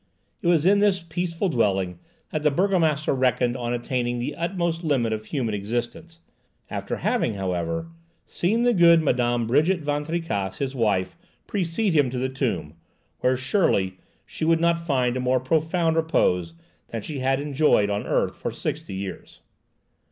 It was in this peaceful dwelling that the burgomaster reckoned on attaining the utmost limit of human existence, after having, however, seen the good Madame Brigitte Van Tricasse, his wife, precede him to the tomb, where, surely, she would not find a more profound repose than that she had enjoyed on earth for sixty years.